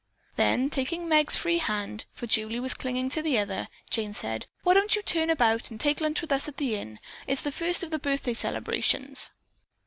Then taking Meg's free hand, for Julie was clinging to the other, Jane said, "Won't you turn about and take lunch with us at the inn? It's the first of the birthday celebrations."